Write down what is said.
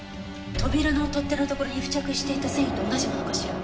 扉の取っ手のところに付着していた繊維と同じものかしら？